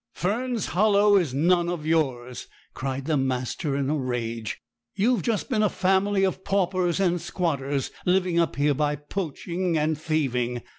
'Fern's Hollow is none of yours,' cried the master, in a rage; 'you've just been a family of paupers and squatters, living up here by poaching and thieving.